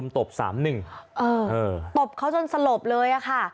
ตบเขาจนสลบเลยอะค่ะ